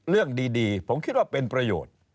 เรื่องดีผมคิดว่าเป็นประโยชน์